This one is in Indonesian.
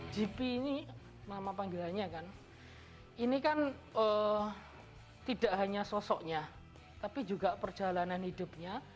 gp ini nama panggilannya kan ini kan tidak hanya sosoknya tapi juga perjalanan hidupnya